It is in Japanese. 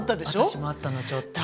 私もあったのちょっと。